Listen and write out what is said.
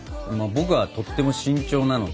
僕はとっても慎重なので。